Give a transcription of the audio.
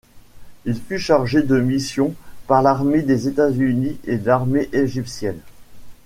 Il fut chargé de mission par l'armée des États-unis et l'armée égyptienne.